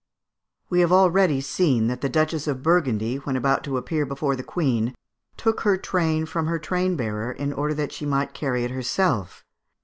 ] We have already seen that the Duchess of Burgundy, when about to appear before the Queen, took her train from her train bearer in order that she might carry it herself.